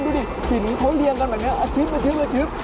ดูสิสินเขาเรียงกันแบบนี้เอาชึบ